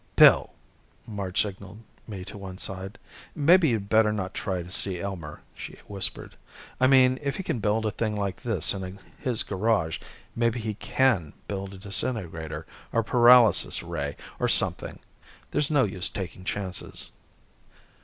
"Bill!" Marge signaled me to one side. "Maybe you'd better not try to see Elmer," she whispered. "I mean, if he can build a thing like this in his garage, maybe he can build a disintegrator or a paralysis ray or something. There's no use taking chances."